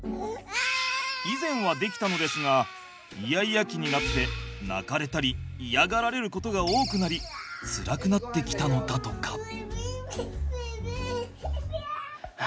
以前はできたのですがイヤイヤ期になって泣かれたり嫌がられることが多くなりつらくなってきたのだとか。